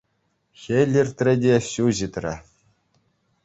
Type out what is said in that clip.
Хӗл иртрӗ те — ҫу ҫитрӗ.